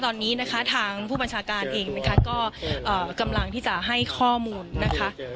ตอนนี้นะคะทางผู้บัญชาการเองนะคะก็กำลังที่จะให้ข้อมูลนะคะ